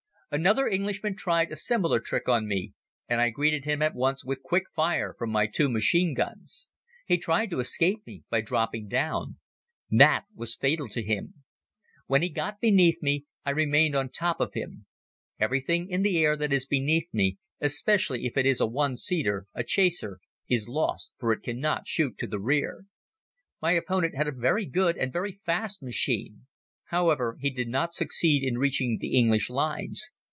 Another Englishman tried a similar trick on me and I greeted him at once with quick fire from my two machine guns. He tried to escape me by dropping down. That was fatal to him. When he got beneath me I remained on top of him. Everything in the air that is beneath me, especially if it is a one seater, a chaser, is lost, for it cannot shoot to the rear. My opponent had a very good and very fast machine. However, he did not succeed in reaching the English lines.